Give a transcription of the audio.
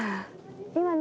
今ね